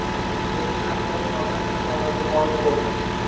Ichimdagi xastalik notanish makonlarga g`oyib bo`ldi